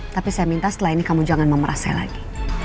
tapi saya minta setelah ini kamu jangan memerasai lagi